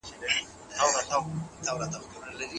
تاسي ولي په اخیرت کي د نېکۍ هیله نه لرئ؟